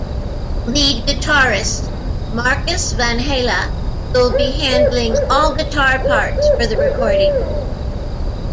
Lead Guitarist Markus Vanhala will be handling all guitar parts for the recording.